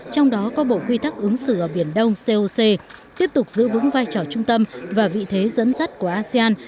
trong đó có bộ quy tắc ứng xử ở biển đông coc tiếp tục giữ vững vai trò trung tâm và vị thế dẫn dắt của asean